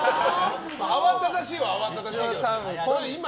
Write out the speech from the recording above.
慌ただしいは慌ただしいけどね。